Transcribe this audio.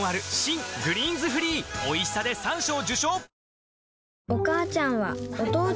新「グリーンズフリー」おいしさで３賞受賞！